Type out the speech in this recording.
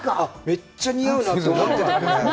めっちゃ似合うなと思ってた。